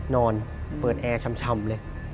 นอนเปิดแอร์ชำเลย